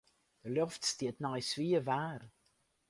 De loft stiet nei swier waar.